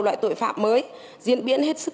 loại tội phạm mới diễn biến hết sức